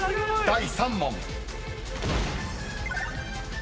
［第３問］